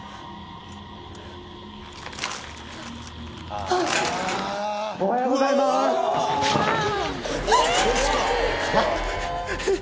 あおはようございまーすヒー！